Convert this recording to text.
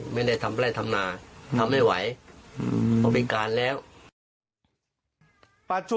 ไม่ได้ทำอะไรทำนายทำไม่ไหวเขาบิการแล้วปัจจุ